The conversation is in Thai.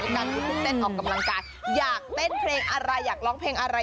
การลุกขึ้นเต้นออกกำลังกายอยากเต้นเพลงอะไรอยากร้องเพลงอะไร